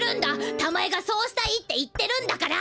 たまえがそうしたいって言ってるんだから。